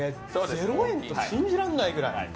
０円って信じられないくらい。